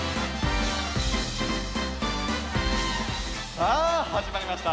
さあはじまりました！